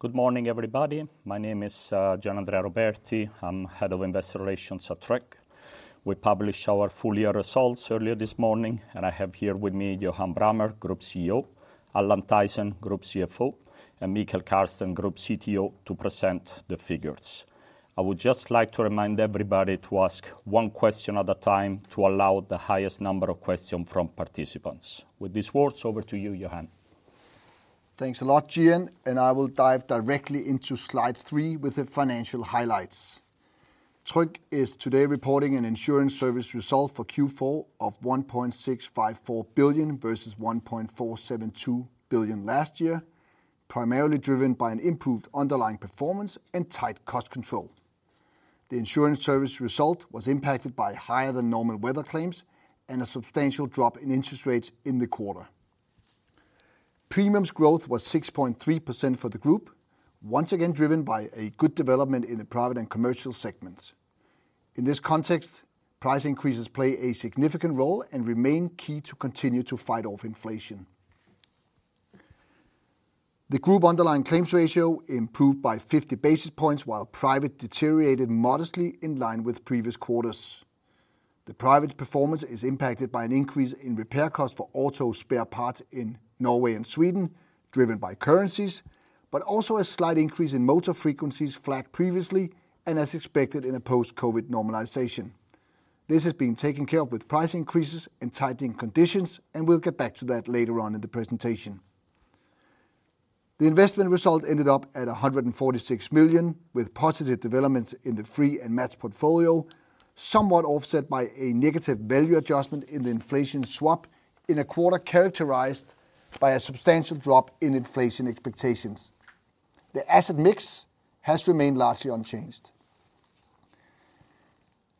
Good morning, everybody. My name is Gianandrea Roberti. I'm head of investor relations at Tryg. We published our full year results earlier this morning, and I have here with me Johan Brammer, Group CEO, Allan Hopkins, Group CFO, and Mikael Kärrsten, Group CTO, to present the figures. I would just like to remind everybody to ask one question at a time to allow the highest number of questions from participants. With these words, over to you, Johan. Thanks a lot, Gian, and I will dive directly into slide 3 with the financial highlights. Tryg is today reporting an insurance service result for Q4 of 1.654 billion versus 1.472 billion last year, primarily driven by an improved underlying performance and tight cost control. The insurance service result was impacted by higher than normal weather claims and a substantial drop in interest rates in the quarter. Premiums growth was 6.3% for the group, once again driven by a good development in the private and commercial segments. In this context, price increases play a significant role and remain key to continue to fight off inflation. The group underlying claims ratio improved by 50 basis points, while private deteriorated modestly in line with previous quarters. The private performance is impacted by an increase in repair costs for auto spare parts in Norway and Sweden, driven by currencies, but also a slight increase in motor frequencies flagged previously and as expected in a post-COVID normalization. This has been taken care of with price increases and tightening conditions, and we'll get back to that later on in the presentation. The investment result ended up at 146 million, with positive developments in the free and match portfolio, somewhat offset by a negative value adjustment in the inflation swap in a quarter characterized by a substantial drop in inflation expectations. The asset mix has remained largely unchanged.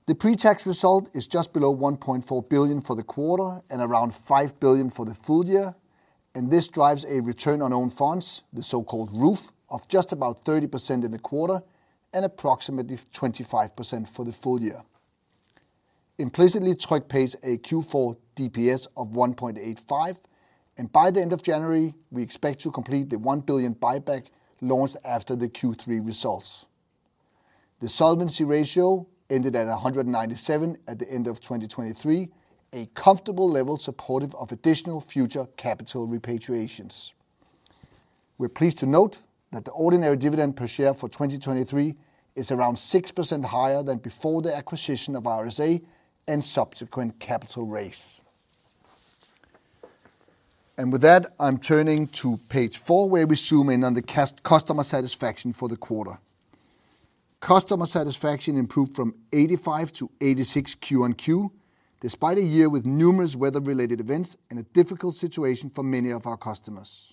The pre-tax result is just below 1.4 billion for the quarter and around 5 billion for the full year, and this drives a return on own funds, the so-called ROOF, of just about 30% in the quarter and approximately 25% for the full year. Implicitly, Tryg pays a Q4 DPS of 1.85, and by the end of January, we expect to complete the 1 billion buyback launched after the Q3 results. The solvency ratio ended at 197 at the end of 2023, a comfortable level supportive of additional future capital repatriations. We're pleased to note that the ordinary dividend per share for 2023 is around 6% higher than before the acquisition of RSA and subsequent capital raise. And with that, I'm turning to page 4, where we zoom in on the customer satisfaction for the quarter. Customer satisfaction improved from 85-86 QoQ, despite a year with numerous weather-related events and a difficult situation for many of our customers.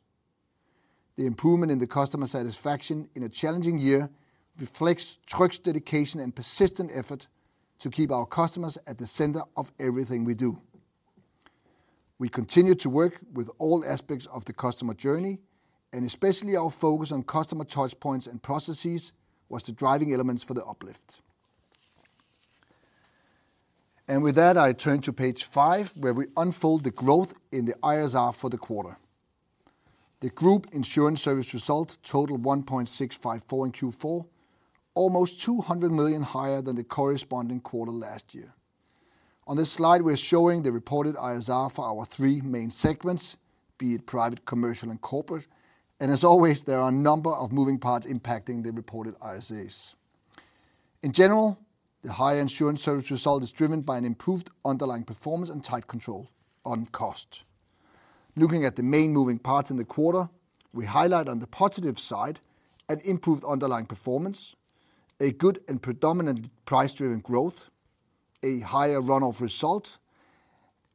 The improvement in the customer satisfaction in a challenging year reflects Tryg's dedication and persistent effort to keep our customers at the center of everything we do. We continue to work with all aspects of the customer journey, and especially our focus on customer touch points and processes was the driving elements for the uplift. And with that, I turn to page 5, where we unfold the growth in the ISR for the quarter. The group insurance service result totaled 1.654 in Q4, almost 200 million higher than the corresponding quarter last year. On this slide, we're showing the reported ISR for our three main segments, be it Private, Commercial, and Corporate, and as always, there are a number of moving parts impacting the reported ISRs. In general, the higher Insurance Service Result is driven by an improved underlying performance and tight control on cost. Looking at the main moving parts in the quarter, we highlight on the positive side an improved underlying performance, a good and predominant price-driven growth, a higher Run-off Result,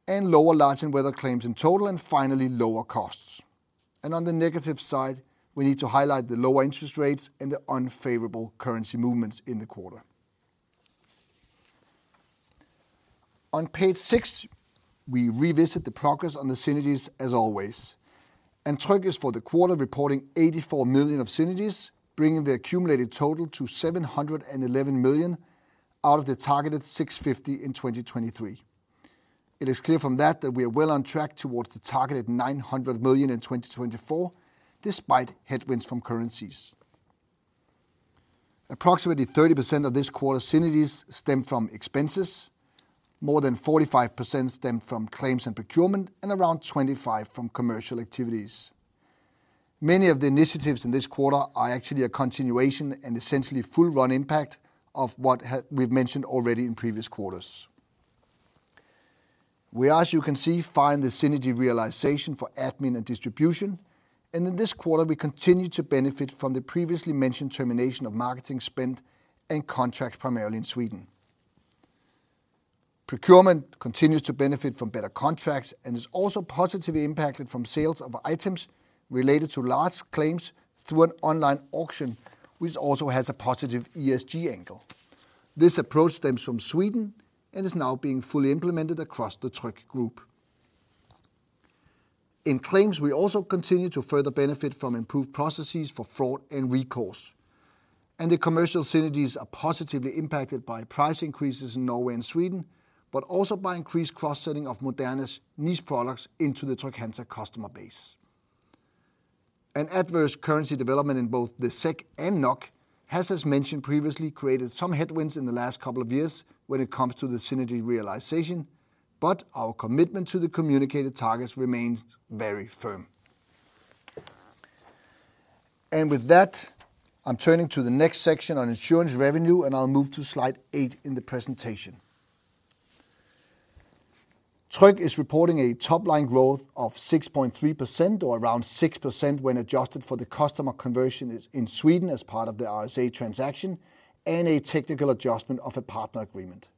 and lower large and weather claims in total, and finally, lower costs. On the negative side, we need to highlight the lower interest rates and the unfavorable currency movements in the quarter. On page six, we revisit the progress on the synergies as always, and Tryg is for the quarter reporting 84 million of synergies, bringing the accumulated total to 711 million out of the targeted 650 million in 2023. It is clear from that, that we are well on track towards the targeted 900 million in 2024, despite headwinds from currencies. Approximately 30% of this quarter's synergies stem from expenses, more than 45% stem from claims and procurement, and around 25% from commercial activities. Many of the initiatives in this quarter are actually a continuation and essentially full run impact of what we've mentioned already in previous quarters. We, as you can see, find the synergy realization for admin and distribution, and in this quarter, we continue to benefit from the previously mentioned termination of marketing spend and contracts, primarily in Sweden. Procurement continues to benefit from better contracts and is also positively impacted from sales of items related to large claims through an online auction, which also has a positive ESG angle. This approach stems from Sweden and is now being fully implemented across the Tryg Group. In claims, we also continue to further benefit from improved processes for fraud and recourse, and the commercial synergies are positively impacted by price increases in Norway and Sweden, but also by increased cross-selling of Moderna's niche products into the Trygg-Hansa customer base. An adverse currency development in both the SEK and NOK has, as mentioned previously, created some headwinds in the last couple of years when it comes to the synergy realization, but our commitment to the communicated targets remains very firm. And with that, I'm turning to the next section on insurance revenue, and I'll move to slide 8 in the presentation. Tryg is reporting a top-line growth of 6.3%, or around 6% when adjusted for the customer conversion in Sweden as part of the RSA transaction, and a technical adjustment of a partner agreement.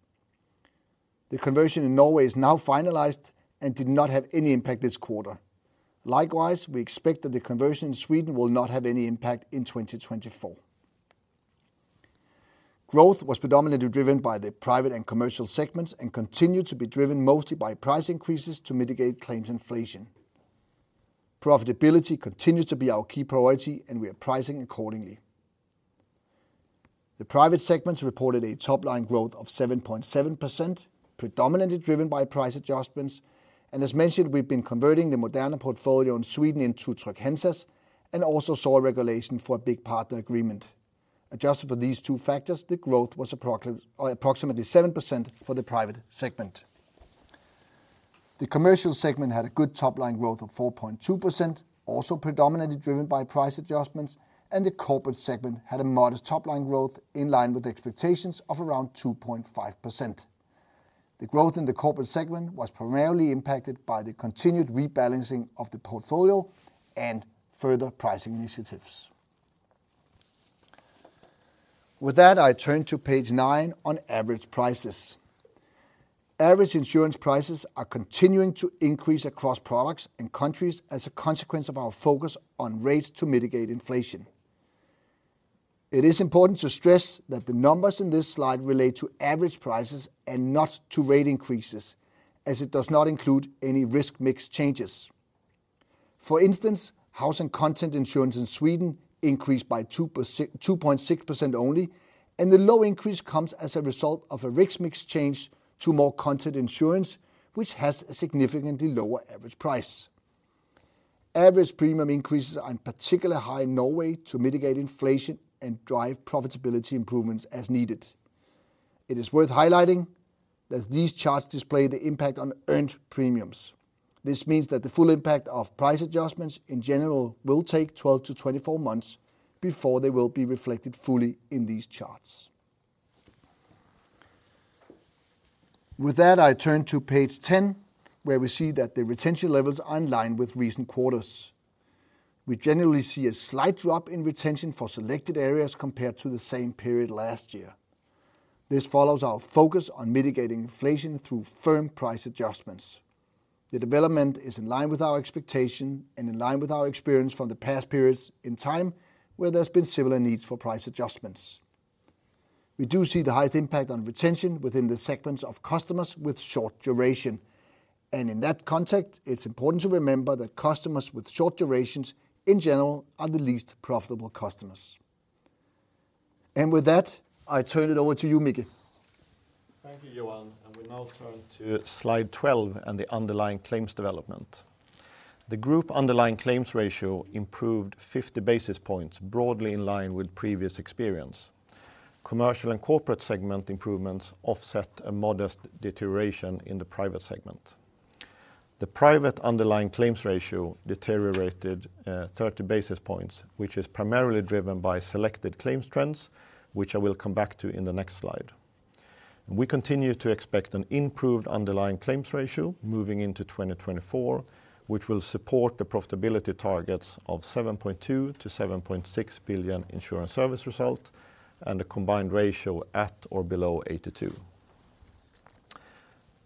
The conversion in Norway is now finalized and did not have any impact this quarter. Likewise, we expect that the conversion in Sweden will not have any impact in 2024. Growth was predominantly driven by the private and commercial segments and continued to be driven mostly by price increases to mitigate claims inflation. Profitability continues to be our key priority, and we are pricing accordingly. The private segment reported a top-line growth of 7.7%, predominantly driven by price adjustments, and as mentioned, we've been converting the Moderna portfolio in Sweden into Trygg-Hansa's and also saw a regulation for a big partner agreement. Adjusted for these two factors, the growth was approximately 7% for the private segment. The commercial segment had a good top-line growth of 4.2%, also predominantly driven by price adjustments, and the corporate segment had a modest top-line growth in line with expectations of around 2.5%. The growth in the corporate segment was primarily impacted by the continued rebalancing of the portfolio and further pricing initiatives. With that, I turn to page 9 on average prices. Average insurance prices are continuing to increase across products and countries as a consequence of our focus on rates to mitigate inflation. It is important to stress that the numbers in this slide relate to average prices and not to rate increases, as it does not include any risk mix changes. For instance, House and Content Insurance in Sweden increased by 2%-2.6% only, and the low increase comes as a result of a risk mix change to more content insurance, which has a significantly lower average price. Average premium increases are particularly high in Norway to mitigate inflation and drive profitability improvements as needed. It is worth highlighting that these charts display the impact on earned premiums. This means that the full impact of price adjustments in general will take 12-24 months before they will be reflected fully in these charts. With that, I turn to page 10, where we see that the retention levels are in line with recent quarters. We generally see a slight drop in retention for selected areas compared to the same period last year. This follows our focus on mitigating inflation through firm price adjustments. The development is in line with our expectation and in line with our experience from the past periods in time where there's been similar needs for price adjustments. We do see the highest impact on retention within the segments of customers with short duration, and in that context, it's important to remember that customers with short durations, in general, are the least profitable customers. With that, I turn it over to you, Micke. Thank you, Johan, and we now turn to slide 12 and the underlying claims development. The group underlying claims ratio improved 50 basis points, broadly in line with previous experience. Commercial and Corporate segment improvements offset a modest deterioration in the Private segment. The Private underlying claims ratio deteriorated 30 basis points, which is primarily driven by selected claims trends, which I will come back to in the next slide. We continue to expect an improved underlying claims ratio moving into 2024, which will support the profitability targets of 7.2 billion-7.6 billion insurance service result and a combined ratio at or below 82.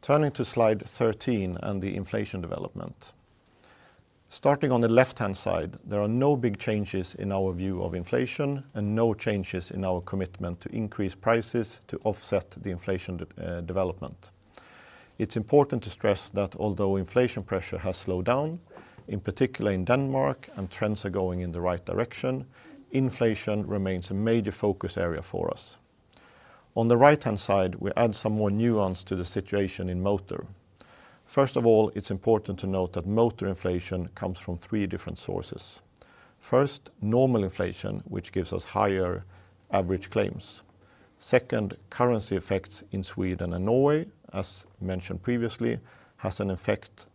Turning to Slide 13 and the inflation development. Starting on the left-hand side, there are no big changes in our view of inflation and no changes in our commitment to increase prices to offset the inflation development. It's important to stress that although inflation pressure has slowed down, in particular in Denmark, and trends are going in the right direction, inflation remains a major focus area for us. On the right-hand side, we add some more nuance to the situation in Motor. First of all, it's important to note that Motor inflation comes from three different sources. First, normal inflation, which gives us higher average claims. Second, currency effects in Sweden and Norway, as mentioned previously, has an effect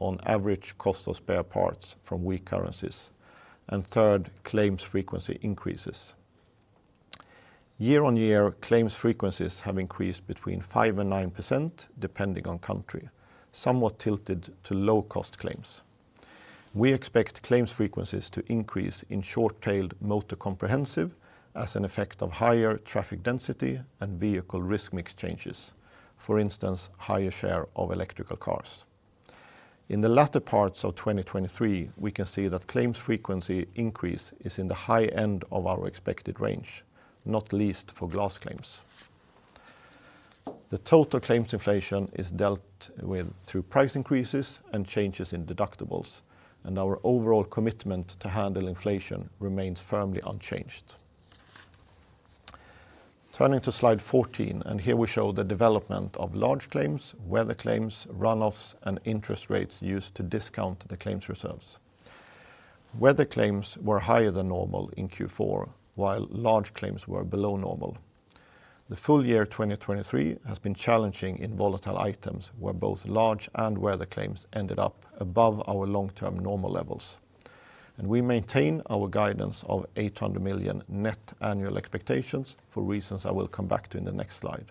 on average cost of spare parts from weak currencies. And third, claims frequency increases. Year-on-year, claims frequencies have increased between 5%-9%, depending on country, somewhat tilted to low-cost claims. We expect claims frequencies to increase in short-tailed Motor Comprehensive as an effect of higher traffic density and vehicle risk mix changes, for instance, higher share of electric cars. In the latter parts of 2023, we can see that claims frequency increase is in the high end of our expected range, not least for glass claims. The total claims inflation is dealt with through price increases and changes in deductibles, and our overall commitment to handle inflation remains firmly unchanged. Turning to slide 14, here we show the development of large claims, weather claims, run-offs, and interest rates used to discount the claims reserves. Weather claims were higher than normal in Q4, while large claims were below normal. The full year 2023 has been challenging in volatile items, where both large and weather claims ended up above our long-term normal levels. We maintain our guidance of 800 million net annual expectations, for reasons I will come back to in the next slide.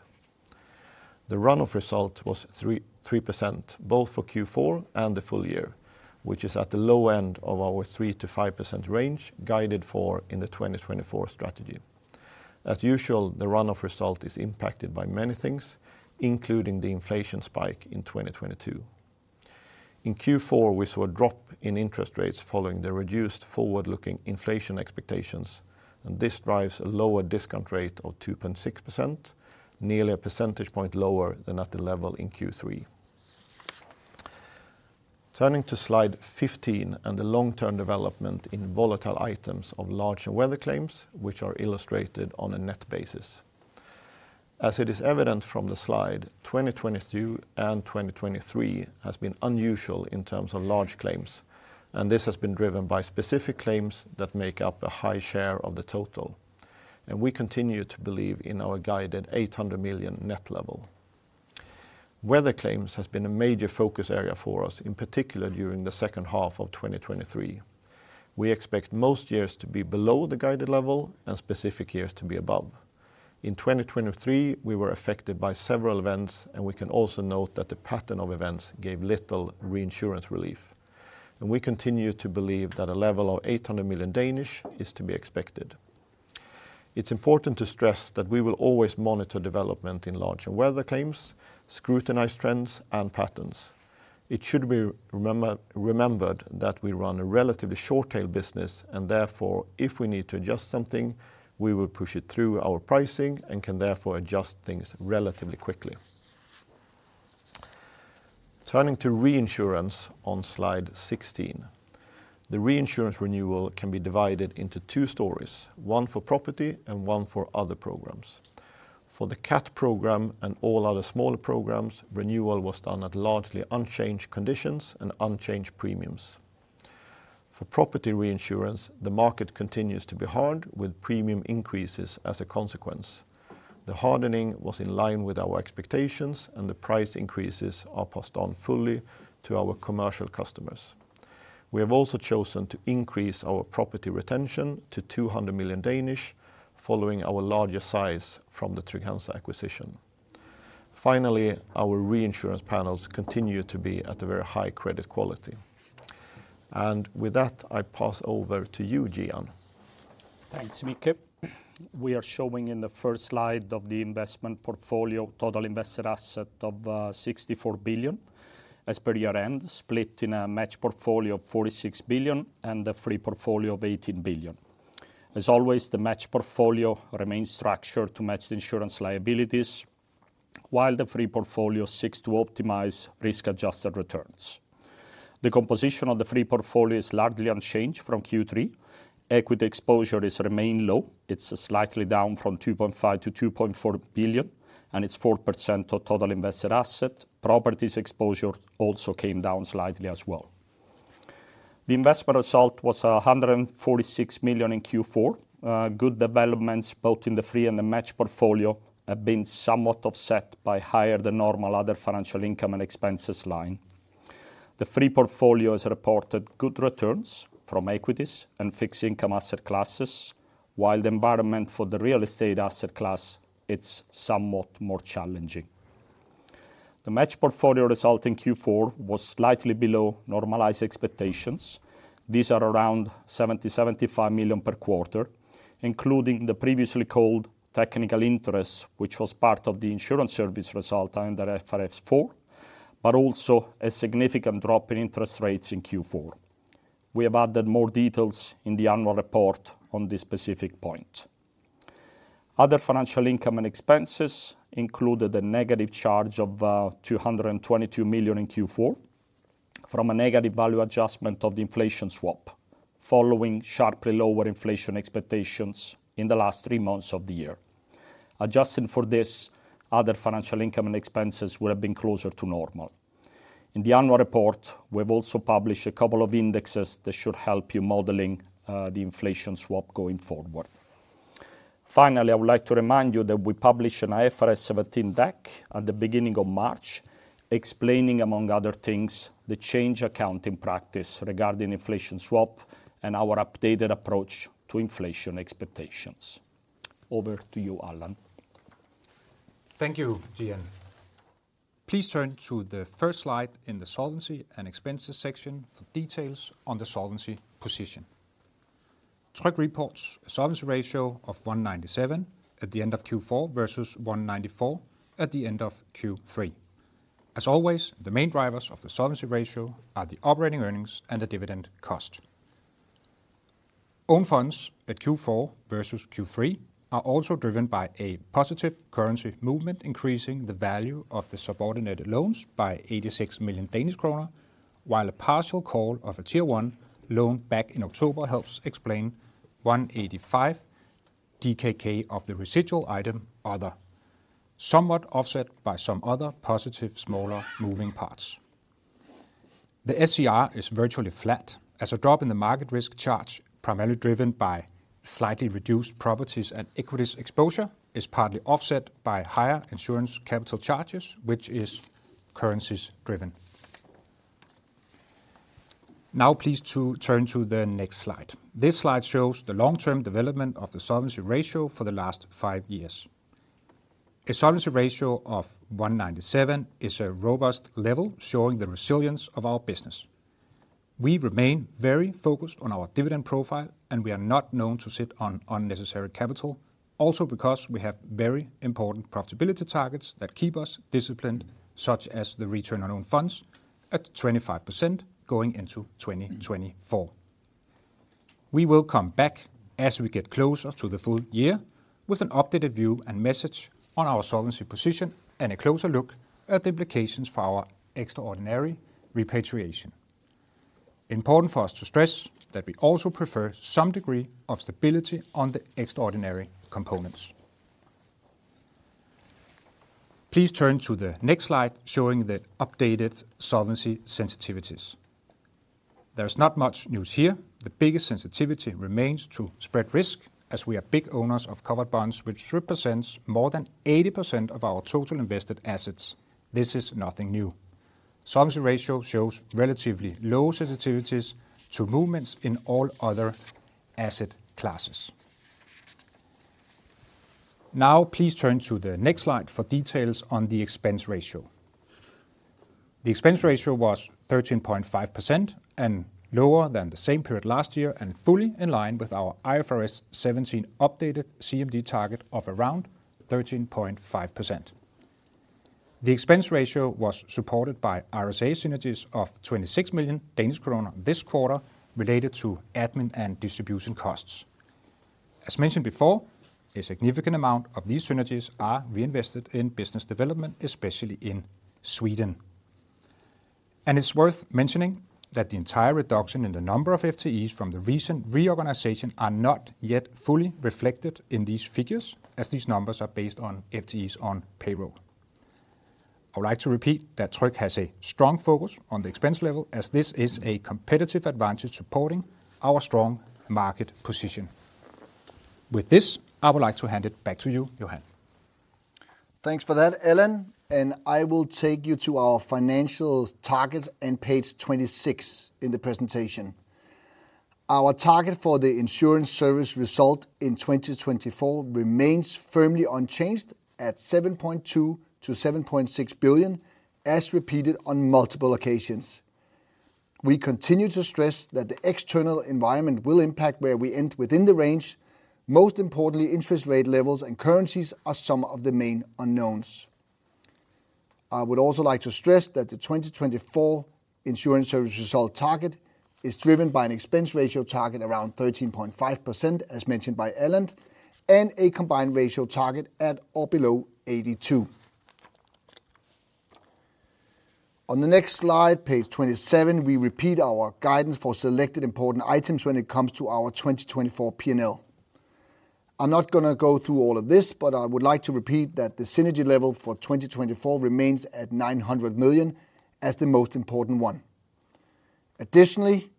The run-off result was 3.3%, both for Q4 and the full year, which is at the low end of our 3%-5% range, guided for in the 2024 strategy. As usual, the run-off result is impacted by many things, including the inflation spike in 2022. In Q4, we saw a drop in interest rates following the reduced forward-looking inflation expectations, and this drives a lower discount rate of 2.6%, nearly a percentage point lower than at the level in Q3. Turning to slide 15, and the long-term development in volatile items of large and weather claims, which are illustrated on a net basis. As it is evident from the slide, 2022 and 2023 has been unusual in terms of large claims, and this has been driven by specific claims that make up a high share of the total. And we continue to believe in our guided 800 million net level. Weather claims has been a major focus area for us, in particular during the second half of 2023. We expect most years to be below the guided level and specific years to be above. In 2023, we were affected by several events, and we can also note that the pattern of events gave little reinsurance relief. And we continue to believe that a level of 800 million is to be expected. It's important to stress that we will always monitor development in large and weather claims, scrutinize trends, and patterns. It should be remembered that we run a relatively short-tail business, and therefore, if we need to adjust something, we will push it through our pricing and can therefore adjust things relatively quickly. Turning to reinsurance on slide 16. The reinsurance renewal can be divided into two stories, one for property and one for other programs. For the cat program and all other smaller programs, renewal was done at largely unchanged conditions and unchanged premiums. For property reinsurance, the market continues to be hard, with premium increases as a consequence. The hardening was in line with our expectations, and the price increases are passed on fully to our commercial customers. We have also chosen to increase our property retention to 200 million, following our larger size from the Trygg-Hansa acquisition. Finally, our reinsurance panels continue to be at a very high credit quality. With that, I pass over to you, Gian. Thanks, Micke. We are showing in the first slide of the investment portfolio, total invested asset of 64 billion, as per year-end, split in a match portfolio of 46 billion and a free portfolio of 18 billion. As always, the match portfolio remains structured to match the insurance liabilities, while the free portfolio seeks to optimize risk-adjusted returns. The composition of the free portfolio is largely unchanged from Q3. Equity exposure is remain low. It's slightly down from 2.5 billion-2.4 billion, and it's 4% of total invested asset. Properties exposure also came down slightly as well. The investment result was 146 million in Q4. Good developments, both in the free and the match portfolio, have been somewhat offset by higher than normal other financial income and expenses line. The free portfolio has reported good returns from equities and fixed income asset classes, while the environment for the real estate asset class, it's somewhat more challenging. The match portfolio result in Q4 was slightly below normalized expectations. These are around 70 million-75 million per quarter, including the previously called technical interest, which was part of the insurance service result under IFRS 4, but also a significant drop in interest rates in Q4. We have added more details in the annual report on this specific point. Other financial income and expenses included a negative charge of 222 million in Q4, from a negative value adjustment of the inflation swap, following sharply lower inflation expectations in the last three months of the year. Adjusting for this, other financial income and expenses would have been closer to normal. In the annual report, we've also published a couple of indexes that should help you modeling the Inflation Swap going forward. Finally, I would like to remind you that we published an IFRS 17 deck at the beginning of March, explaining, among other things, the change accounting practice regarding Inflation Swap and our updated approach to inflation expectations. Over to you, Allan. Thank you, Gian. Please turn to the first slide in the solvency and expenses section for details on the solvency position. Tryg reports a solvency ratio of 197% at the end of Q4 versus 194% at the end of Q3. As always, the main drivers of the solvency ratio are the operating earnings and the dividend cost.... Own funds at Q4 versus Q3 are also driven by a positive currency movement, increasing the value of the subordinate loans by 86 million Danish kroner, while a partial call of a Tier 1 loan back in October helps explain 185 DKK of the residual item, other. Somewhat offset by some other positive smaller moving parts. The SCR is virtually flat as a drop in the market risk charge, primarily driven by slightly reduced properties and equities exposure, is partly offset by higher insurance capital charges, which is currencies driven. Now, please to turn to the next slide. This slide shows the long-term development of the solvency ratio for the last five years. A solvency ratio of 197 is a robust level, showing the resilience of our business. We remain very focused on our dividend profile, and we are not known to sit on unnecessary capital. Also, because we have very important profitability targets that keep us disciplined, such as the return on own funds at 25% going into 2024. We will come back as we get closer to the full year with an updated view and message on our solvency position and a closer look at the implications for our extraordinary repatriation. Important for us to stress that we also prefer some degree of stability on the extraordinary components. Please turn to the next slide showing the updated solvency sensitivities. There's not much news here. The biggest sensitivity remains to spread risk, as we are big owners of covered bonds, which represents more than 80% of our total invested assets. This is nothing new. Solvency ratio shows relatively low sensitivities to movements in all other asset classes. Now, please turn to the next slide for details on the expense ratio. The expense ratio was 13.5% and lower than the same period last year, and fully in line with our IFRS 17 updated CMD target of around 13.5%. The expense ratio was supported by RSA synergies of 26 million Danish kroner this quarter, related to admin and distribution costs. As mentioned before, a significant amount of these synergies are reinvested in business development, especially in Sweden. It's worth mentioning that the entire reduction in the number of FTEs from the recent reorganization are not yet fully reflected in these figures, as these numbers are based on FTEs on payroll. I would like to repeat that Tryg has a strong focus on the expense level as this is a competitive advantage supporting our strong market position. With this, I would like to hand it back to you, Johan. Thanks for that, Allan, and I will take you to our financial targets on page 26 in the presentation. Our target for the insurance service result in 2024 remains firmly unchanged at 7.2 billion-7.6 billion, as repeated on multiple occasions. We continue to stress that the external environment will impact where we end within the range. Most importantly, interest rate levels and currencies are some of the main unknowns. I would also like to stress that the 2024 insurance service result target is driven by an expense ratio target around 13.5%, as mentioned by Allan, and a combined ratio target at or below 82%. On the next slide, page 27, we repeat our guidance for selected important items when it comes to our 2024 PNL. I'm not gonna go through all of this, but I would like to repeat that the synergy level for 2024 remains at 900 million as the most important one. Additionally,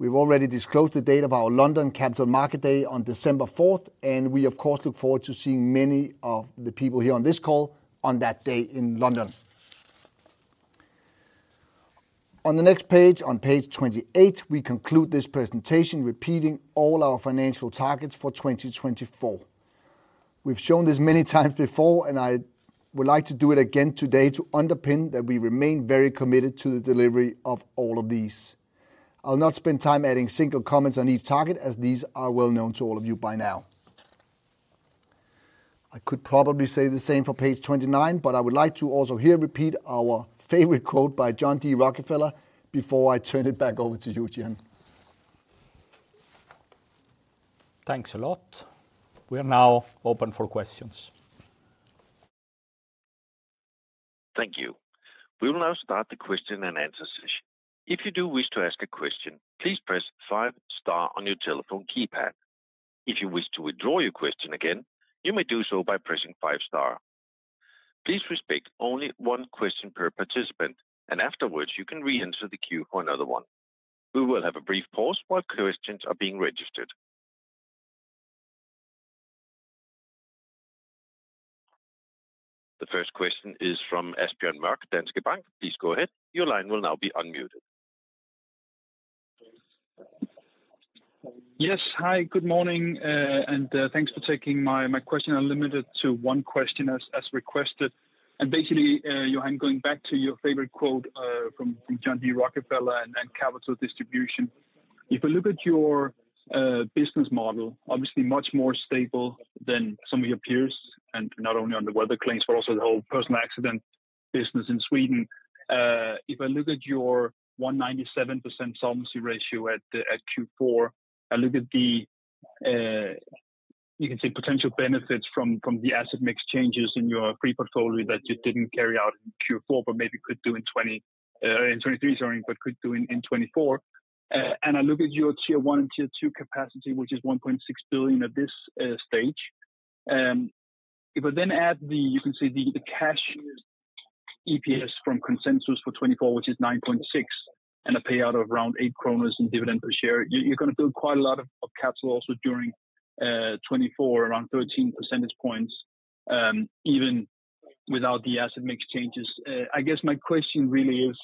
we've already disclosed the date of our London Capital Markets Day on December fourth, and we of course look forward to seeing many of the people here on this call on that day in London. On the next page, on page 28, we conclude this presentation repeating all our financial targets for 2024. We've shown this many times before, and I would like to do it again today to underpin that we remain very committed to the delivery of all of these. I'll not spend time adding single comments on each target, as these are well known to all of you by now. I could probably say the same for page 29, but I would like to also here repeat our favorite quote by John D. Rockefeller before I turn it back over to you, Gian. Thanks a lot. We are now open for questions. Thank you. We will now start the question and answer session. If you do wish to ask a question, please press five star on your telephone keypad. If you wish to withdraw your question again, you may do so by pressing five star. Please respect only one question per participant, and afterwards, you can re-enter the queue for another one. We will have a brief pause while questions are being registered. The first question is from Asbjørn Mørk, Danske Bank. Please go ahead. Your line will now be unmuted. Yes. Hi, good morning, and thanks for taking my question. I'll limit it to one question as requested. Basically, Johan, going back to your favorite quote from John D. Rockefeller and capital distribution. If you look at your business model, obviously much more stable than some of your peers, and not only on the weather claims, but also the whole personal accident business in Sweden. If I look at your 197% solvency ratio at Q4, you can see potential benefits from the asset mix changes in your free portfolio that you didn't carry out in Q4, but maybe could do in 2020, in 2023, sorry, but could do in 2024. I look at your Tier 1 and Tier 2 capacity, which is 1.6 billion at this stage. If I then add, you can see the cash EPS from consensus for 2024, which is 9.6, and a payout of around 8 kroner in dividend per share, you're gonna build quite a lot of capital also during 2024, around 13 percentage points, even without the asset mix changes. I guess my question really is,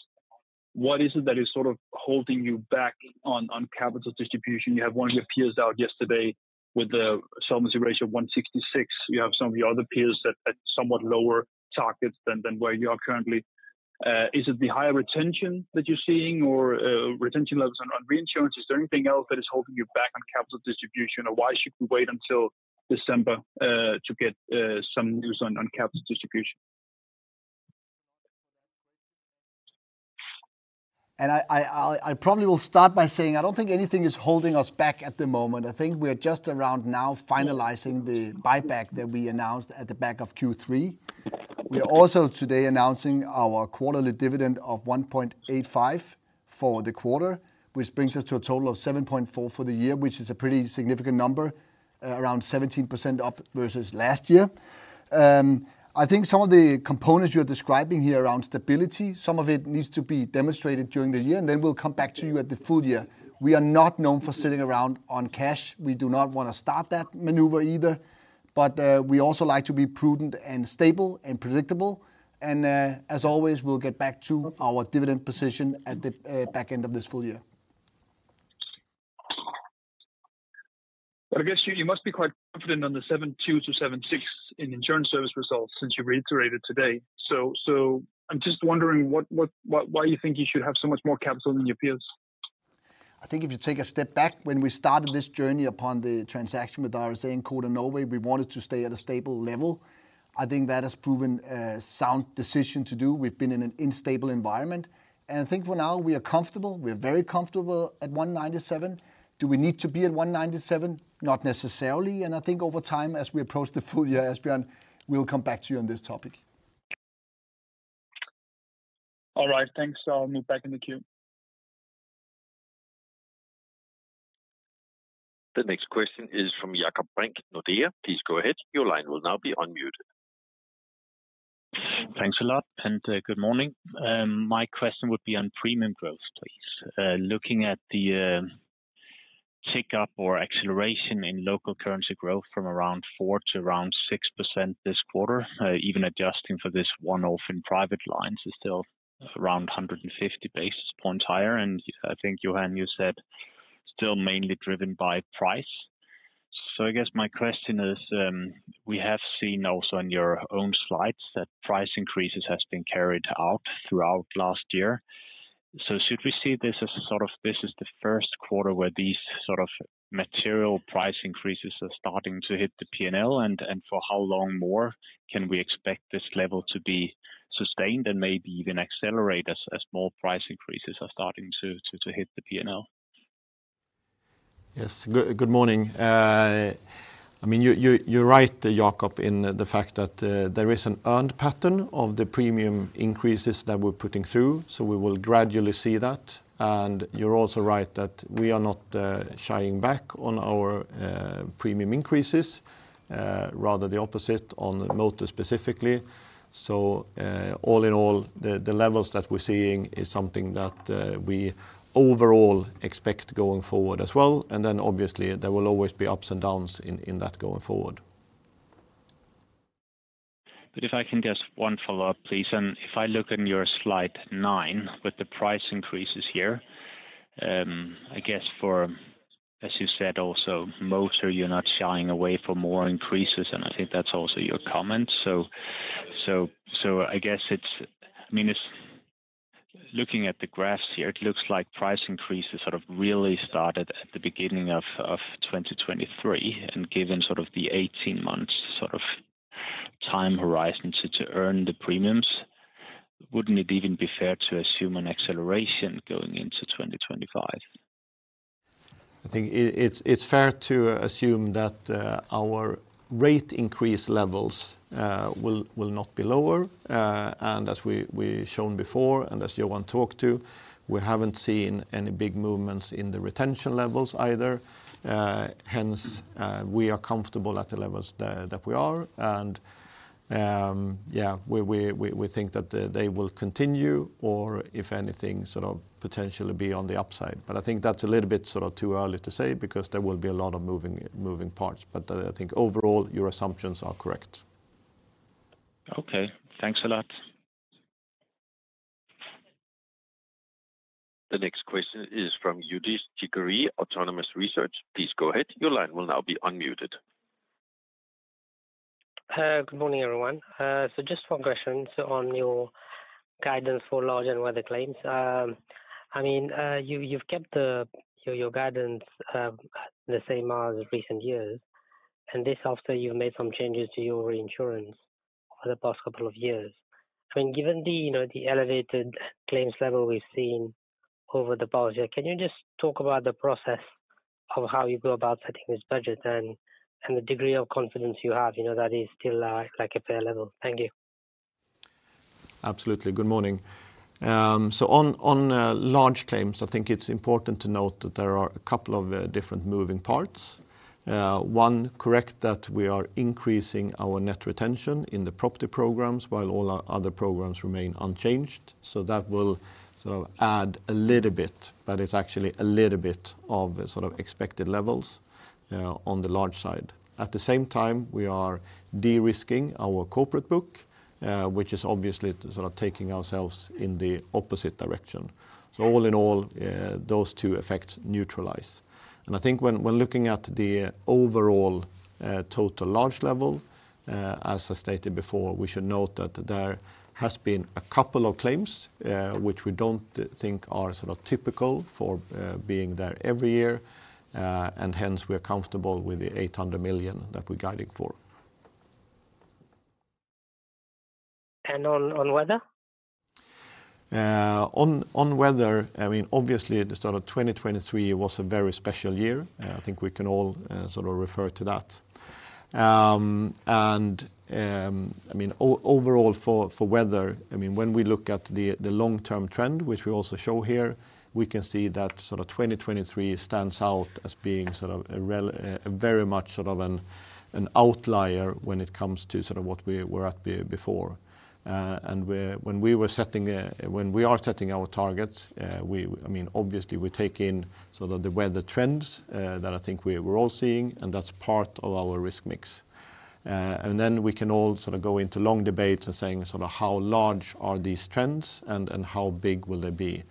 what is it that is sort of holding you back on capital distribution? You have one of your peers out yesterday with a solvency ratio of 166. You have some of your other peers at somewhat lower targets than where you are currently. Is it the higher retention that you're seeing or retention levels on reinsurance? Is there anything else that is holding you back on capital distribution? Or why should we wait until December to get some news on capital distribution? And I probably will start by saying, I don't think anything is holding us back at the moment. I think we are just around now finalizing the buyback that we announced at the back of Q3. We are also today announcing our quarterly dividend of 1.85 for the quarter, which brings us to a total of 7.4 for the year, which is a pretty significant number, around 17% up versus last year. I think some of the components you're describing here around stability, some of it needs to be demonstrated during the year, and then we'll come back to you at the full year. We are not known for sitting around on cash. We do not wanna start that maneuver either, but, we also like to be prudent and stable and predictable, and, as always, we'll get back to our dividend position at the back end of this full year. I guess you must be quite confident on the 72-76 in insurance service results since you reiterated today. So, I'm just wondering why you think you should have so much more capital than your peers? I think if you take a step back, when we started this journey upon the transaction with RSA and Codan Norway, we wanted to stay at a stable level. I think that has proven a sound decision to do. We've been in an unstable environment, and I think for now we are comfortable, we are very comfortable at 197. Do we need to be at 197? Not necessarily, and I think over time, as we approach the full year, Asbjørn, we'll come back to you on this topic. All right. Thanks. I'll move back in the queue. The next question is from Jakob Brink, Nordea. Please go ahead. Your line will now be unmuted. Thanks a lot, and good morning. My question would be on premium growth, please. Looking at the tick up or acceleration in local currency growth from around 4 to around 6% this quarter, even adjusting for this one-off in private lines is still around 150 basis points higher, and I think, Johan, you said still mainly driven by price. So I guess my question is, we have seen also on your own slides that price increases has been carried out throughout last year. So should we see this as sort of this is the first quarter where these sort of material price increases are starting to hit the PNL, and for how long more can we expect this level to be sustained and maybe even accelerate as more price increases are starting to hit the PNL? Yes. Good morning. I mean, you're right, Jakob, in the fact that there is an earned pattern of the premium increases that we're putting through, so we will gradually see that. And you're also right that we are not shying back on our premium increases, rather the opposite on motor specifically. So, all in all, the levels that we're seeing is something that we overall expect going forward as well, and then obviously there will always be ups and downs in that going forward. But if I can just one follow-up, please. If I look on your slide 9 with the price increases here, I guess for... as you said, also most are you're not shying away from more increases, and I think that's also your comment. So I guess it's- I mean, it's looking at the graphs here, it looks like price increases sort of really started at the beginning of 2023, and given sort of the 18 months sort of time horizon to earn the premiums, wouldn't it even be fair to assume an acceleration going into 2025? I think it's fair to assume that our rate increase levels will not be lower. And as we've shown before, and as Johan talked to, we haven't seen any big movements in the retention levels either. Hence, we are comfortable at the levels that we are. And yeah, we think that they will continue or if anything, sort of potentially be on the upside. But I think that's a little bit sort of too early to say because there will be a lot of moving parts. But I think overall, your assumptions are correct. Okay. Thanks a lot. The next question is from Youdish Chicooree, Autonomous Research. Please go ahead. Your line will now be unmuted. Good morning, everyone. So just one question. So on your guidance for large and weather claims. I mean, you, you've kept the, your, your guidance, the same as recent years, and this after you've made some changes to your reinsurance for the past couple of years. I mean, given the, you know, the elevated claims level we've seen over the past year, can you just talk about the process of how you go about setting this budget and, and the degree of confidence you have, you know, that is still, like a fair level? Thank you. Absolutely. Good morning. So on large claims, I think it's important to note that there are a couple of different moving parts. One, correct that we are increasing our net retention in the property programs while all our other programs remain unchanged. So that will sort of add a little bit, but it's actually a little bit of a sort of expected levels on the large side. At the same time, we are de-risking our corporate book, which is obviously sort of taking ourselves in the opposite direction. So all in all, those two effects neutralize. And I think when we're looking at the overall total large level, as I stated before, we should note that there has been a couple of claims, which we don't think are sort of typical for being there every year. Hence, we are comfortable with the 800 million that we're guiding for. On weather? On weather, I mean, obviously, the start of 2023 was a very special year. I think we can all sort of refer to that. And overall for weather, I mean, when we look at the long-term trend, which we also show here, we can see that 2023 stands out as being very much sort of an outlier when it comes to sort of what we were at before. And when we were setting, when we are setting our targets, I mean, obviously, we take in sort of the weather trends that I think we're all seeing, and that's part of our risk mix. Then we can all sort of go into long debates saying sort of how large are these trends and how big will they be?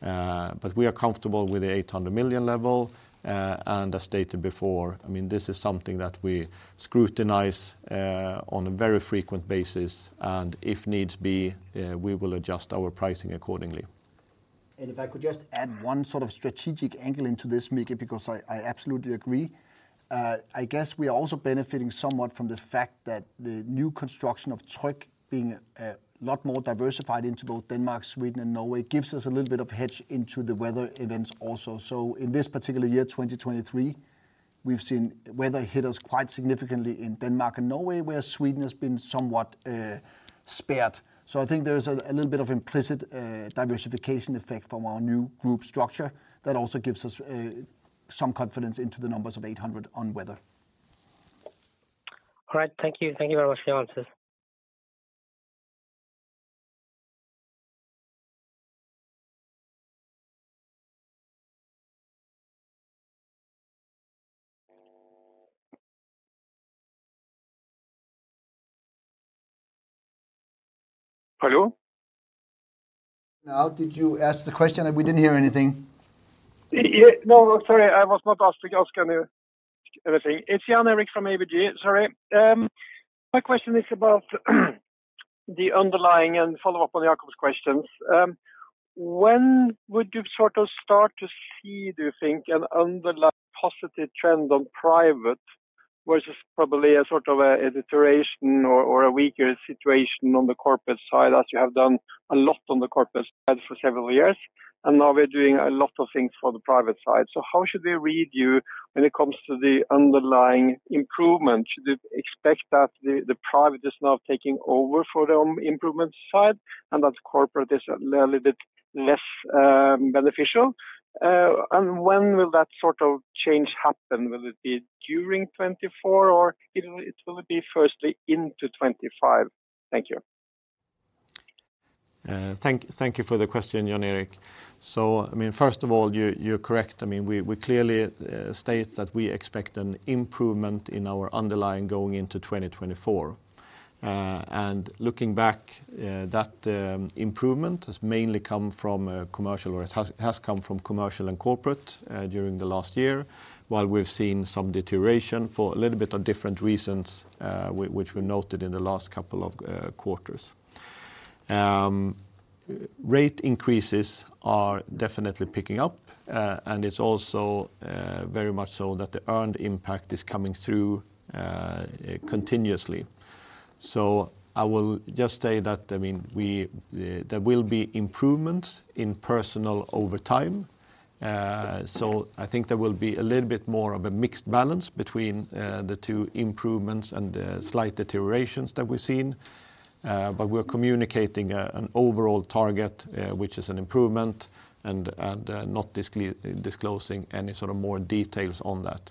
But we are comfortable with the 800 million level. And as stated before, I mean, this is something that we scrutinize on a very frequent basis, and if needs be, we will adjust our pricing accordingly. If I could just add one sort of strategic angle into this, Micke, because I absolutely agree. I guess we are also benefiting somewhat from the fact that the new construction of Tryg being a lot more diversified into both Denmark, Sweden, and Norway, gives us a little bit of hedge into the weather events also. So in this particular year, 2023, we've seen weather hit us quite significantly in Denmark and Norway, where Sweden has been somewhat spared. So I think there's a little bit of implicit diversification effect from our new group structure that also gives us some confidence into the numbers of 800 on weather. All right. Thank you. Thank you very much for the answers. Hello? Now, did you ask the question? We didn't hear anything. Yeah. No, sorry, I was not asking to ask anything. It's Jan Erik from ABG. Sorry. My question is about the underlying, and follow-up on Jakob's questions. When would you sort of start to see, do you think, an underlying positive trend on private, versus probably a sort of a deterioration or, or a weaker situation on the corporate side, as you have done a lot on the corporate side for several years, and now we're doing a lot of things for the private side. So how should we read you when it comes to the underlying improvement? Should we expect that the, the private is now taking over for the improvement side, and that corporate is a little bit less, beneficial? And when will that sort of change happen? Will it be during 2024, or it, it will be firstly into 2025? Thank you. Thank you for the question, Jan Erik. So, I mean, first of all, you're correct. I mean, we clearly state that we expect an improvement in our underlying going into 2024. And looking back, that improvement has mainly come from Commercial, or it has come from Commercial and Corporate during the last year, while we've seen some deterioration for a little bit of different reasons, which we noted in the last couple of quarters. Rate increases are definitely picking up, and it's also very much so that the earned impact is coming through continuously. So I will just say that, I mean, we... there will be improvements in Personal over time. So I think there will be a little bit more of a mixed balance between the two improvements and slight deteriorations that we've seen. But we're communicating an overall target, which is an improvement, and not disclosing any sort of more details on that.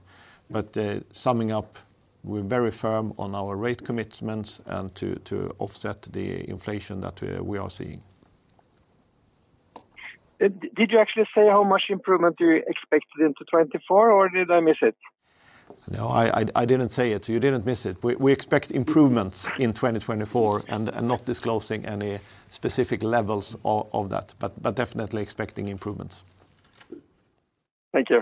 But summing up, we're very firm on our rate commitments and to offset the inflation that we are seeing. Did you actually say how much improvement you expected into 2024, or did I miss it? No, I didn't say it, so you didn't miss it. We expect improvements in 2024 and not disclosing any specific levels of that, but definitely expecting improvements. Thank you. ...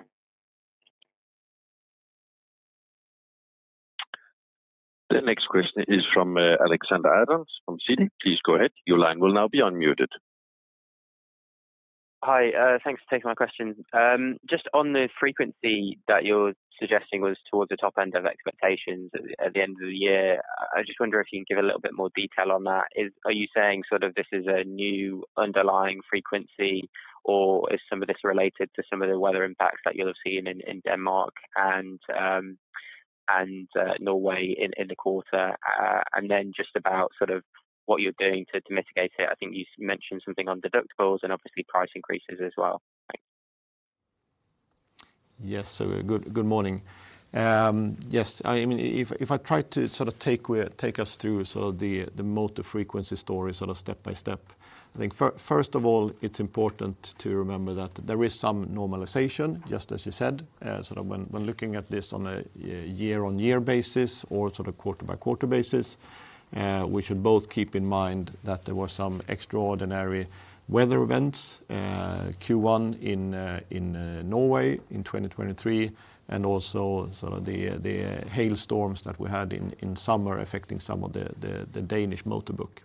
The next question is from Alexander Evans from Citi. Please go ahead. Your line will now be unmuted. Hi, thanks for taking my question. Just on the frequency that you're suggesting was towards the top end of expectations at the end of the year, I just wonder if you can give a little bit more detail on that. Are you saying sort of this is a new underlying frequency, or is some of this related to some of the weather impacts that you'll have seen in Denmark and Norway in the quarter? And then just about sort of what you're doing to mitigate it. I think you mentioned something on deductibles and obviously price increases as well. Thanks. Yes, so good morning. Yes, I mean, if I try to sort of take us through sort of the motor frequency story, sort of step by step. I think, first of all, it's important to remember that there is some normalization, just as you said. Sort of when looking at this on a year-on-year basis or sort of quarter-by-quarter basis, we should both keep in mind that there were some extraordinary weather events, Q1 in Norway in 2023, and also sort of the hailstorms that we had in summer, affecting some of the Danish motor book.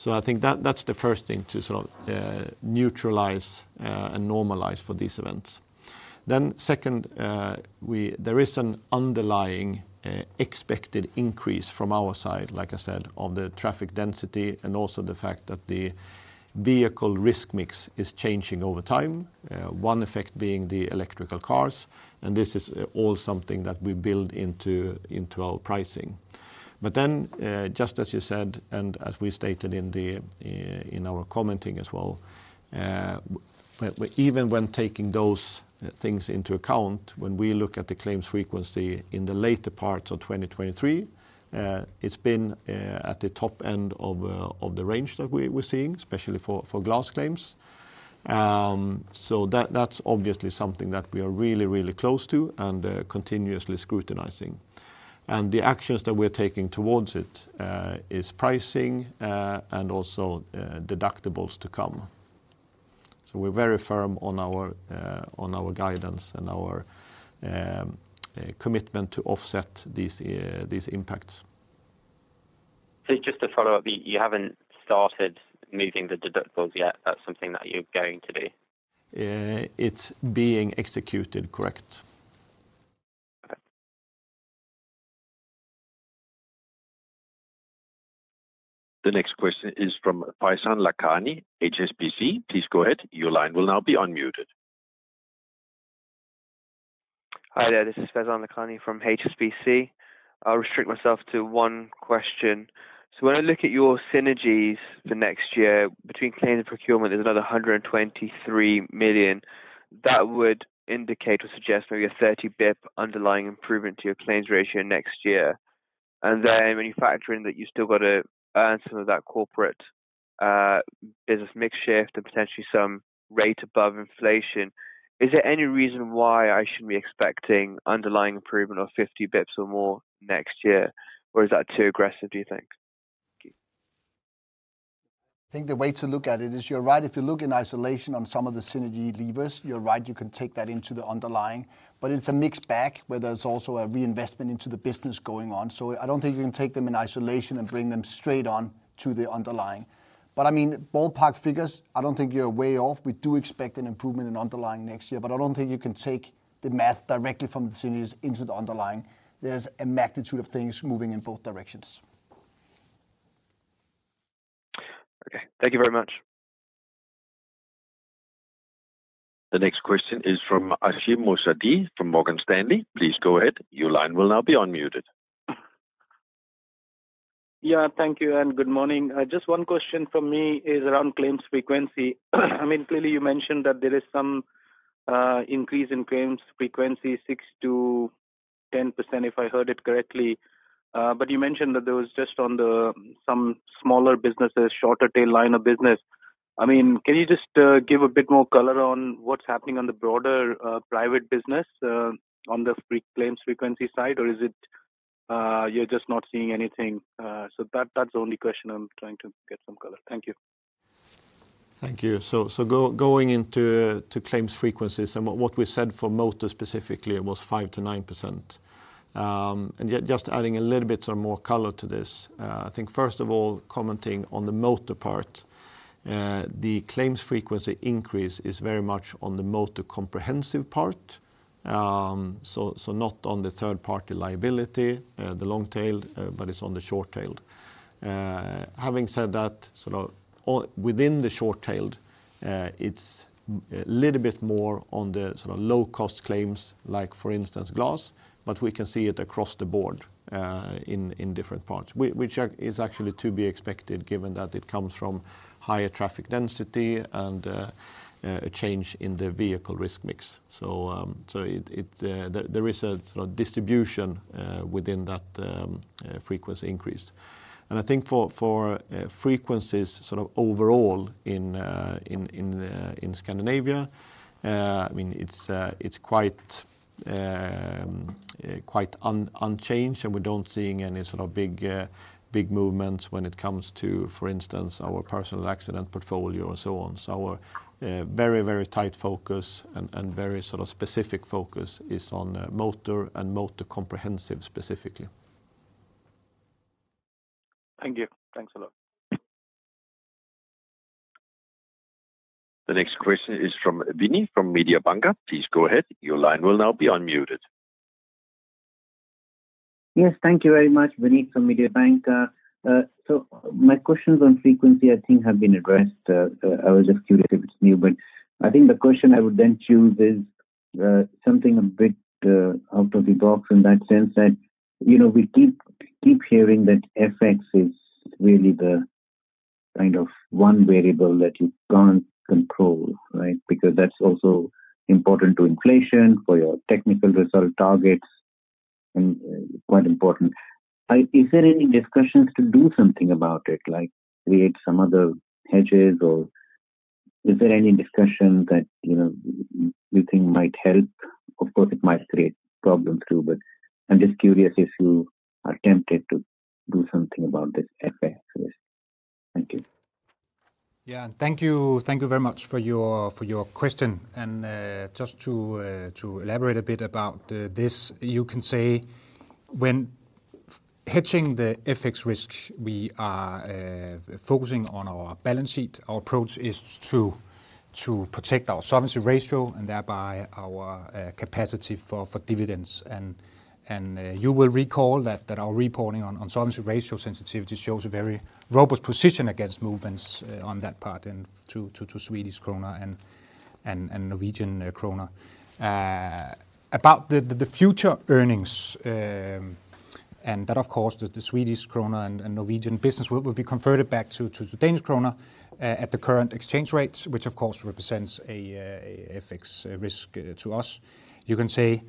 So I think that's the first thing to sort of neutralize and normalize for these events. Then second, we... There is an underlying expected increase from our side, like I said, of the traffic density, and also the fact that the vehicle risk mix is changing over time. One effect being the electric cars, and this is all something that we build into our pricing. But then, just as you said, and as we stated in our commentary as well, even when taking those things into account, when we look at the claims frequency in the later parts of 2023, it's been at the top end of the range that we're seeing, especially for glass claims. So that's obviously something that we are really, really close to and continuously scrutinizing. And the actions that we're taking towards it is pricing and also deductibles to come. So we're very firm on our guidance and our commitment to offset these impacts. Just to follow up, you haven't started moving the deductibles yet, that's something that you're going to do? It's being executed, correct? Okay. The next question is from Faizan Lakhani, HSBC. Please go ahead. Your line will now be unmuted. Hi there, this is Faizan Lakhani from HSBC. I'll restrict myself to one question. So when I look at your synergies for next year between claims and procurement, there's another 123 million. That would indicate or suggest maybe a 30 basis points underlying improvement to your claims ratio next year. And then when you factor in that you've still got to earn some of that corporate business mix shift and potentially some rate above inflation, is there any reason why I shouldn't be expecting underlying improvement of 50 basis points or more next year, or is that too aggressive, do you think? Thank you. I think the way to look at it is you're right. If you look in isolation on some of the synergy levers, you're right, you can take that into the underlying. But it's a mixed bag, where there's also a reinvestment into the business going on. So I don't think you can take them in isolation and bring them straight on to the underlying. But I mean, ballpark figures, I don't think you're way off. We do expect an improvement in underlying next year, but I don't think you can take the math directly from the synergies into the underlying. There's a magnitude of things moving in both directions. Okay. Thank you very much. The next question is from Ashik Musaddi, from Morgan Stanley. Please go ahead. Your line will now be unmuted. Yeah, thank you and good morning. Just one question from me is around claims frequency. I mean, clearly, you mentioned that there is some increase in claims frequency, 6%-10%, if I heard it correctly. But you mentioned that there was just on the some smaller businesses, shorter tail line of business. I mean, can you just give a bit more color on what's happening on the broader private business on the claims frequency side? Or is it you're just not seeing anything? So that's the only question I'm trying to get some color. Thank you. Thank you. So, going into claims frequencies, and what we said for motor specifically was 5%-9%. And yet just adding a little bit more color to this, I think first of all, commenting on the motor part, the claims frequency increase is very much on the Motor Comprehensive part. So, not on the Third-Party Liability, the long-tailed, but it's on the short-tailed. Having said that, sort of, all within the short-tailed, it's a little bit more on the sort of low-cost claims, like for instance, glass, but we can see it across the board, in different parts, which is actually to be expected, given that it comes from higher traffic density and a change in the vehicle risk mix. So, there is a sort of distribution within that frequency increase. And I think for frequencies sort of overall in Scandinavia, I mean, it's quite unchanged, and we don't seeing any sort of big movements when it comes to, for instance, our Personal Accident portfolio and so on. So our very tight focus and very specific focus is on Motor and Motor Comprehensive, specifically. Thank you. Thanks a lot. The next question is from Vinit from Mediobanca. Please go ahead. Your line will now be unmuted. Yes, thank you very much. Vinit from Mediobanca. So my questions on frequency, I think, have been addressed. I was just curious if it's new, but I think the question I would then choose is something a bit out of the box in that sense that, you know, we keep hearing that FX is really the kind of one variable that you can't control, right? Because that's also important to inflation, for your technical result targets, and quite important. Is there any discussions to do something about it, like create some other hedges, or is there any discussion that, you know, you think might help? Of course, it might create problems, too, but I'm just curious if you are tempted to do something about this FX risk. Thank you. Yeah, thank you. Thank you very much for your question, and just to elaborate a bit about this, you can say when hedging the FX risk, we are focusing on our balance sheet. Our approach is to protect our solvency ratio and thereby our capacity for dividends. And you will recall that our reporting on solvency ratio sensitivity shows a very robust position against movements on that part and to Swedish krona and Norwegian krona. About the future earnings, and that, of course, the Swedish krona and Norwegian business will be converted back to the Danish krona at the current exchange rates, which of course represents a FX risk to us. You can say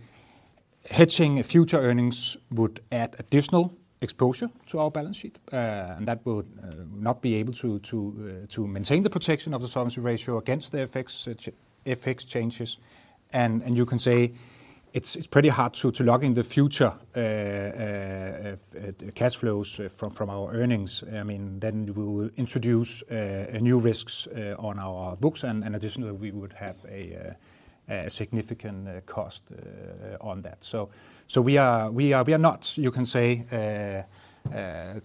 hedging future earnings would add additional exposure to our balance sheet, and that would not be able to maintain the protection of the solvency ratio against the FX changes. And you can say it's pretty hard to lock in the future cash flows from our earnings. I mean, then we will introduce new risks on our books, and additionally, we would have a significant cost on that. So we are not, you can say,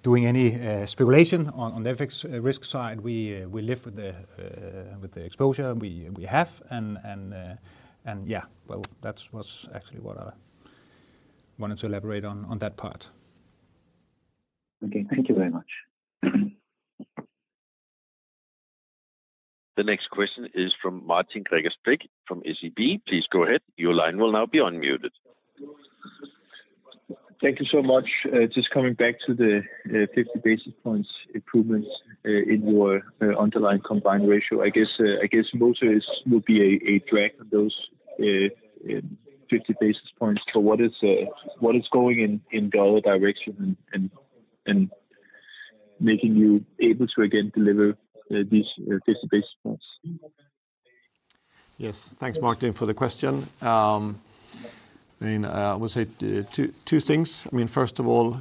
doing any speculation on the FX risk side. We live with the exposure we have, and yeah. Well, that was actually what I wanted to elaborate on that part. Okay. Thank you very much. The next question is from Martin Gregersvig from SEB. Please go ahead. Your line will now be unmuted. Thank you so much. Just coming back to the 50 basis points improvements in your underlying Combined Ratio. I guess, I guess most of this will be a drag on those 50 basis points. So what is going in the other direction and making you able to again deliver these 50 basis points? Yes. Thanks, Martin, for the question. I mean, I would say 2, 2 things. I mean, first of all,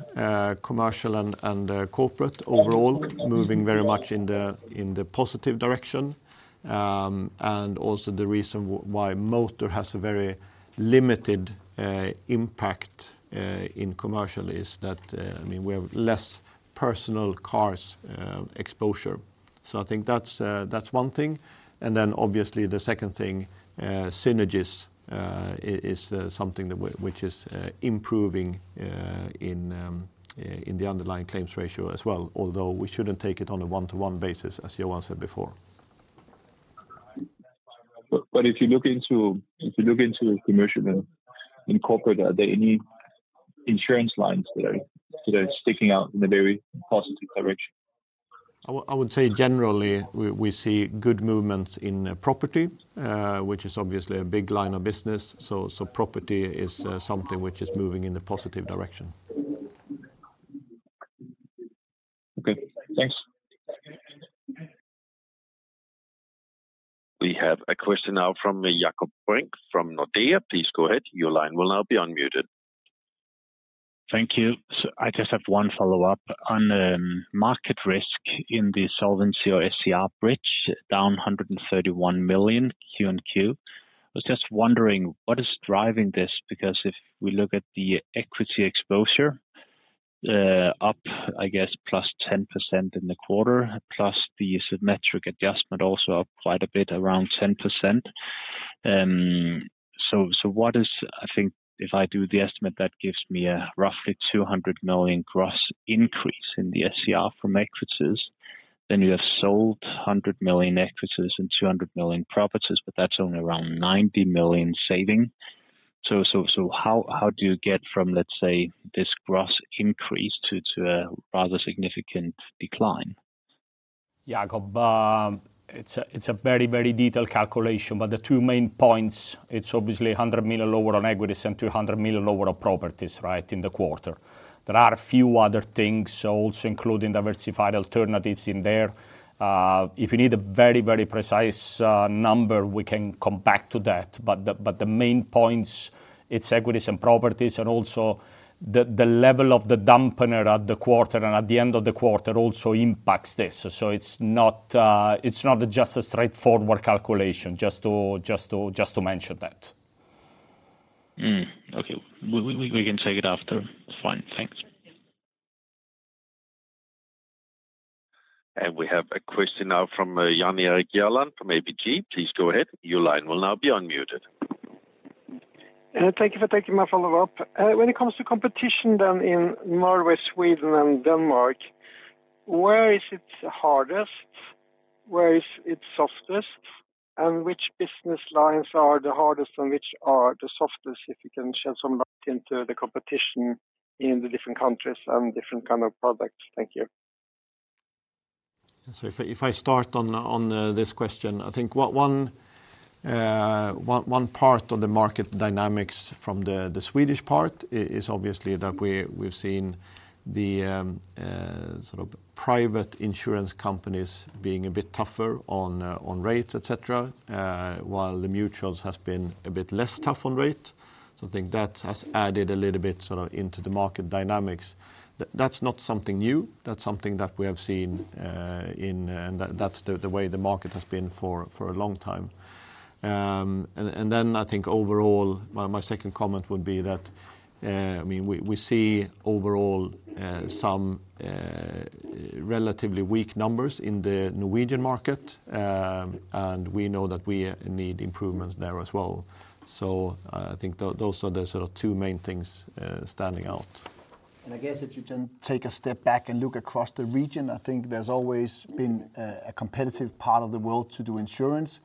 commercial and corporate overall moving very much in the positive direction. And also the reason why motor has a very limited impact in commercial is that, I mean, we have less personal cars exposure. So I think that's one thing. And then obviously the second thing, synergies is something that which is improving in the underlying claims ratio as well, although we shouldn't take it on a 1-to-1 basis, as Johan said before. But if you look into Commercial and Corporate, are there any insurance lines that are sticking out in a very positive direction? I would say generally we see good movements in property, which is obviously a big line of business. So property is something which is moving in the positive direction. Okay, thanks. We have a question now from Jakob Brink from Nordea. Please go ahead. Your line will now be unmuted. Thank you. So I just have one follow-up on market risk in the solvency or SCR bridge, down 131 million Q and Q. I was just wondering, what is driving this? Because if we look at the equity exposure, up, I guess, +10% in the quarter, plus the symmetric adjustment also up quite a bit, around 10%. So what is... I think if I do the estimate, that gives me a roughly 200 million gross increase in the SCR from equities, then you have sold 100 million equities and 200 million properties, but that's only around 90 million saving. So how do you get from, let's say, this gross increase to a rather significant decline? Jacob, it's a, it's a very, very detailed calculation, but the two main points, it's obviously 100 million lower on equities and 200 million lower on properties, right, in the quarter. There are a few other things, so also including diversified alternatives in there. If you need a very, very precise number, we can come back to that, but the, but the main points, it's equities and properties, and also the, the level of the dampener at the quarter and at the end of the quarter also impacts this. So it's not just a straightforward calculation, just to mention that.... Okay. We can take it after. Fine. Thanks. We have a question now from Jan Erik Gjerland from ABG. Please go ahead. Your line will now be unmuted. Thank you for taking my follow-up. When it comes to competition then in Norway, Sweden, and Denmark, where is it hardest? Where is it softest? And which business lines are the hardest and which are the softest? If you can shed some light into the competition in the different countries and different kind of products. Thank you. So if I start on this question, I think one part of the market dynamics from the Swedish part is obviously that we've seen the sort of private insurance companies being a bit tougher on rates, et cetera, while the mutuals has been a bit less tough on rate. So I think that has added a little bit sort of into the market dynamics. That's not something new. That's something that we have seen. And that's the way the market has been for a long time. And then I think overall, my second comment would be that, I mean, we see overall some relatively weak numbers in the Norwegian market, and we know that we need improvements there as well. I think those are the sort of two main things standing out. I guess if you can take a step back and look across the region, I think there's always been a competitive part of the world to do insurance.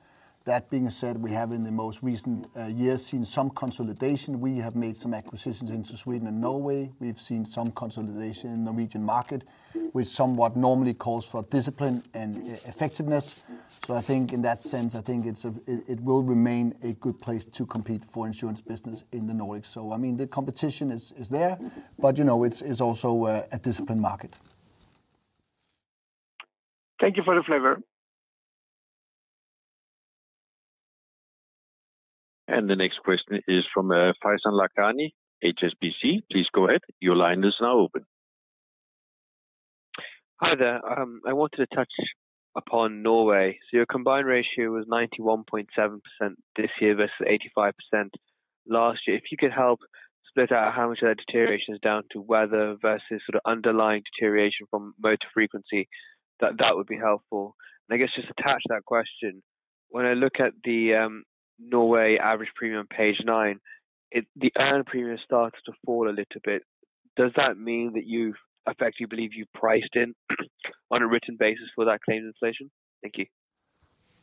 That being said, we have, in the most recent years, seen some consolidation. We have made some acquisitions into Sweden and Norway. We've seen some consolidation in the Norwegian market, which somewhat normally calls for discipline and effectiveness. So I think in that sense, I think it's a it will remain a good place to compete for insurance business in the Nordics. So I mean, the competition is there, but, you know, it's also a disciplined market. Thank you for the flavor. The next question is from Faizan Lakhani, HSBC. Please go ahead. Your line is now open. Hi there. I wanted to touch upon Norway. So your Combined Ratio was 91.7% this year versus 85% last year. If you could help split out how much of that deterioration is down to weather versus sort of underlying deterioration from motor frequency, that would be helpful. And I guess just to attach that question, when I look at the Norway average premium, page nine, the earned premium starts to fall a little bit. Does that mean that you effectively believe you've priced in on a written basis for that claims inflation? Thank you.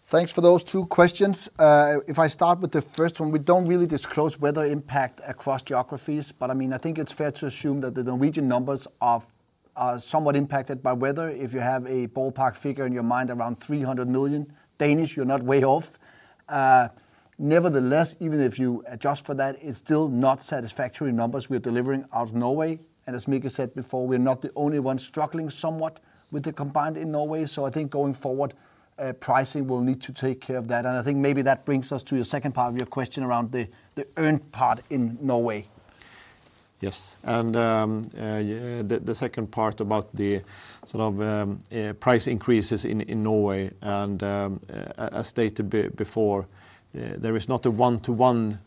Thanks for those two questions. If I start with the first one, we don't really disclose weather impact across geographies, but, I mean, I think it's fair to assume that the Norwegian numbers are, are somewhat impacted by weather. If you have a ballpark figure in your mind, around 300 million, you're not way off. Nevertheless, even if you adjust for that, it's still not satisfactory numbers we are delivering out of Norway. And as Micke said before, we are not the only ones struggling somewhat with the combined in Norway. So I think going forward, pricing will need to take care of that. And I think maybe that brings us to your second part of your question around the, the earned part in Norway. Yes, and the second part about the sort of price increases in Norway, and as stated before, there is not a one-to-one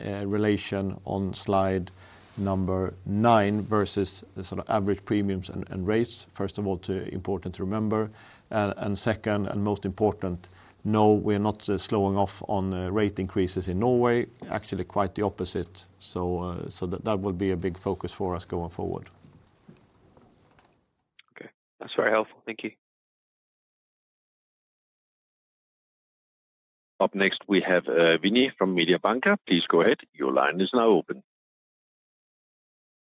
relation on slide number 9 versus the sort of average premiums and rates. First of all, too important to remember, and second and most important, no, we are not slowing off on rate increases in Norway, actually, quite the opposite. So, so that would be a big focus for us going forward. Okay. That's very helpful. Thank you. Up next, we have, Vinit from Mediobanca. Please go ahead. Your line is now open.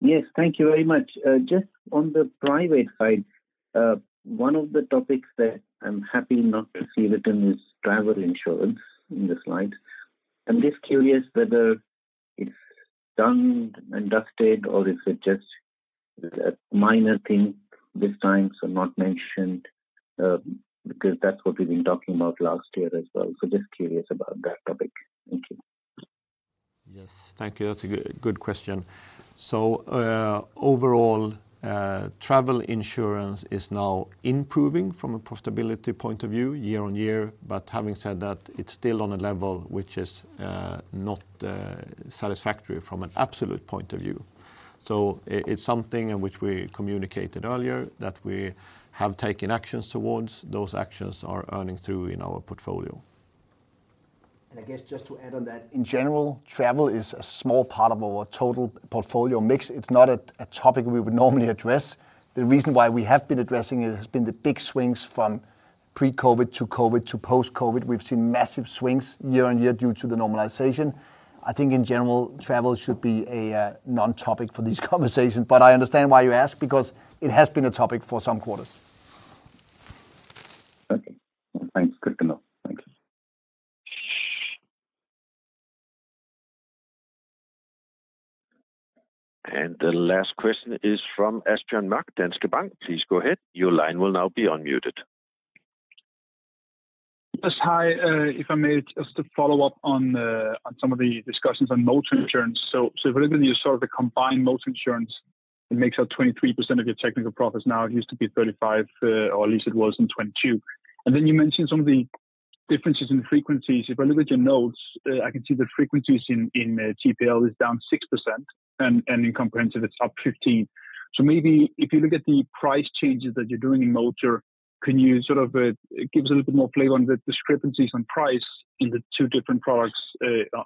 Yes, thank you very much. Just on the private side, one of the topics that I'm happy not to see written is travel insurance in the slide. I'm just curious whether it's done and dusted, or is it just a minor thing this time, so not mentioned, because that's what we've been talking about last year as well. So just curious about that topic. Thank you. Yes. Thank you. That's a good, good question. So, overall, travel insurance is now improving from a profitability point of view, year-on-year. But having said that, it's still on a level which is, not, satisfactory from an absolute point of view. So it's something in which we communicated earlier, that we have taken actions towards. Those actions are earning through in our portfolio. I guess just to add on that, in general, travel is a small part of our total portfolio mix. It's not a topic we would normally address. The reason why we have been addressing it has been the big swings from pre-COVID to COVID to post-COVID. We've seen massive swings year on year due to the normalization. I think in general, travel should be a non-topic for these conversations, but I understand why you ask, because it has been a topic for some quarters. Okay. Thanks. Good to know. Thanks. The last question is from Asbjørn Mørk, Danske Bank. Please go ahead. Your line will now be unmuted. Yes, hi. If I may, just to follow up on some of the discussions on motor insurance. So, whether you saw the combined motor insurance, it makes up 23% of your technical profits now. It used to be 35, or at least it was in 2022. And then you mentioned some of the differences in frequencies. If I look at your notes, I can see the frequencies in TPL is down 6%, and in comprehensive it's up 15. So maybe if you look at the price changes that you're doing in motor, can you sort of give us a little bit more flavor on the discrepancies on price in the two different products,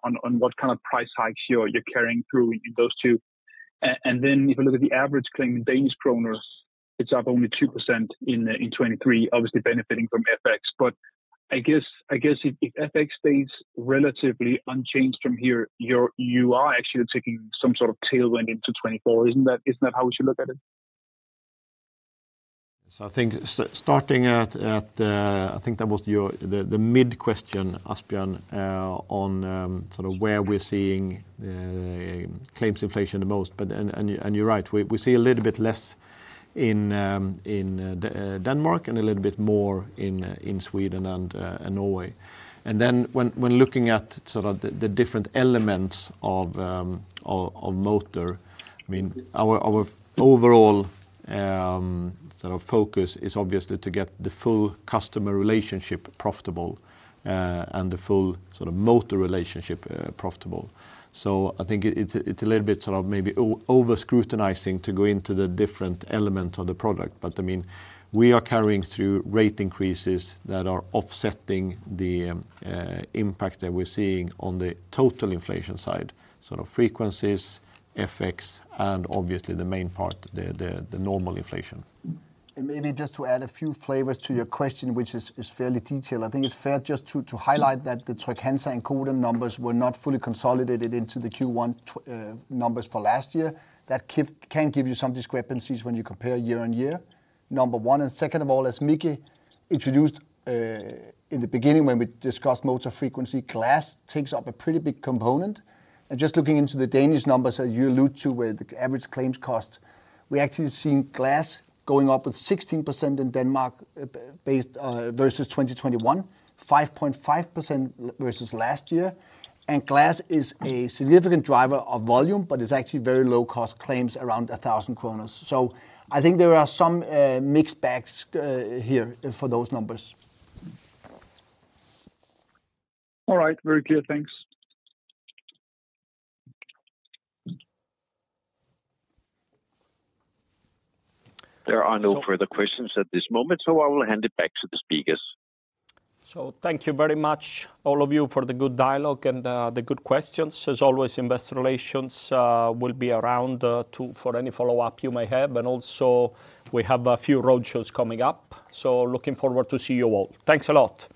on what kind of price hikes you're carrying through in those two? And then if you look at the average claim in Danish kroner, it's up only 2% in 2023, obviously benefiting from FX. But I guess if FX stays relatively unchanged from here, you are actually taking some sort of tailwind into 2024. Isn't that how we should look at it? So I think starting at, I think that was your the mid question, Asbjørn, on sort of where we're seeing claims inflation the most. But you're right, we see a little bit less in Denmark and a little bit more in Sweden and Norway. And then when looking at sort of the different elements of motor, I mean, our overall sort of focus is obviously to get the full customer relationship profitable and the full sort of motor relationship profitable. So I think it's a little bit sort of maybe over scrutinizing to go into the different elements of the product. But I mean, we are carrying through rate increases that are offsetting the impact that we're seeing on the total inflation side, sort of frequencies, FX, and obviously the main part, the normal inflation. Maybe just to add a few flavors to your question, which is fairly detailed. I think it's fair just to highlight that the Tryg-Hansa and Codan numbers were not fully consolidated into the Q1 numbers for last year. That can give you some discrepancies when you compare year-on-year, number one. And second of all, as Micke introduced in the beginning when we discussed motor frequency, glass takes up a pretty big component. And just looking into the Danish numbers that you allude to, where the average claims cost, we actually seen glass going up with 16% in Denmark based versus 2021, 5.5% versus last year. And glass is a significant driver of volume, but it's actually very low-cost claims, around 1,000 DKK. So I think there are some mixed bags here for those numbers. All right. Very clear. Thanks. There are no further questions at this moment, so I will hand it back to the speakers. Thank you very much, all of you, for the good dialogue and the good questions. As always, investor relations will be around for any follow-up you may have. And also we have a few roadshows coming up, so looking forward to see you all. Thanks a lot!